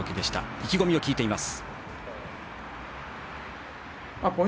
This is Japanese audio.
意気込みを聞いています。